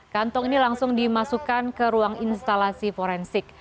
kantong ini langsung dimasukkan ke ruang instalasi forensik